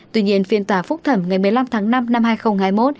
tuy nhiên phiên tòa phúc thẩm ngày một mươi năm tháng năm năm hai nghìn hai mươi một